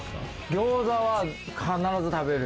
餃子は必ず食べる。